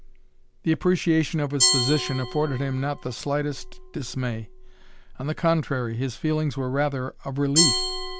The appreciation of his position afforded him not the slightest dismay. On the contrary, his feelings were rather of relief.